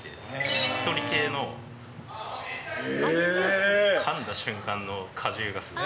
しっとり系のかんだ瞬間の果汁がすごい。